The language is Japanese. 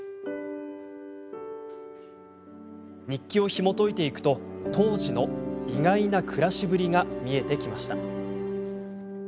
日記をひもといていくと当時の意外な暮らしぶりが見えてきました。